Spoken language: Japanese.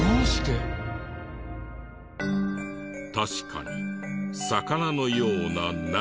確かに魚のような何かが。